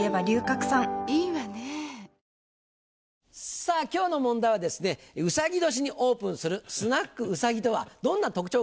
さぁ今日の問題は「うさぎ年にオープンするスナックうさぎとはどんな特徴があるのか？」。